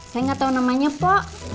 saya gak tau namanya po